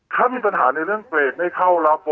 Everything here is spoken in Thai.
อ่อถ้ามีปัญหาในเรื่องเกรดไม่เข้าระบบ